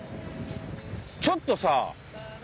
ちょっとさ。